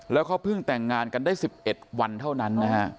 แล้วเขาเพิ่งแต่งงานกันได้๑๑วันเท่านั้นนะฮะ